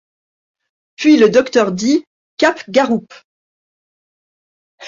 Puis le docteur dit :— Capgaroupe.